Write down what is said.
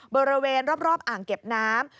บริเวณรอบอ่างเก็บน้ำ